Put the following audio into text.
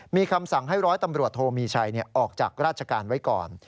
มีคำสั่งให้ร้อยตำรวจโทมีชัยออกจากราชการไว้ก่อน